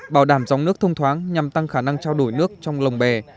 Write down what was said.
bảo đảm gióng nước thông thoáng nhằm tăng khả năng trao đổi nước trong lồng bè